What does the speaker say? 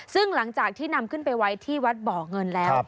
ซึ่งหลังจากที่นำขึ้นไปไว้ที่วัดบ่อเงินแล้ว